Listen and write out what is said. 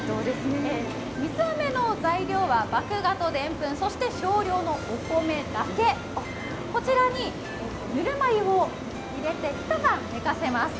水あめの材料は麦芽とでんぷん少量のお米だけ、こちらのぬるま湯に入れて一晩寝かせます。